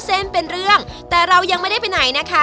เส้นเป็นเรื่องแต่เรายังไม่ได้ไปไหนนะคะ